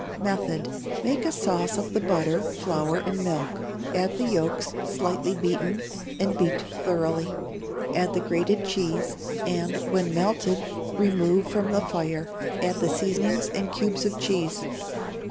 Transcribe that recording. Method. Make a sauce of the butter, flour and milk; add the yolks, slightly beaten, and beat thoroughly; add the grated cheese, and, when melted, remove from the fire; add the seasonings and cubes of cheese.